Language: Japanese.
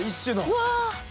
うわ。